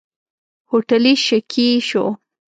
هوټلي شکي شو.